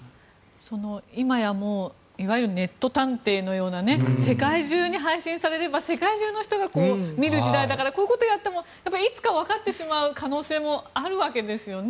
今やいわゆるネット探偵のような世界中に配信される世界中の人が見る時代だからこういうことをやってもいつかわかってしまう可能性もあるわけですよね。